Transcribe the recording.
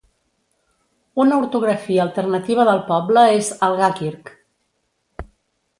Una ortografia alternativa del poble és "Algakirk".